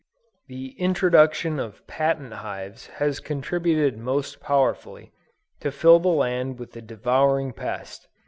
The introduction of patent hives has contributed most powerfully, to fill the land with the devouring pest.